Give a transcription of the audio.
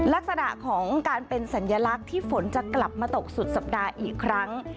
ลักษณะของการเป็นสัญลักษณ์ที่ฝนจะกลับมาตกสุดสัปดาห์อีกครั้ง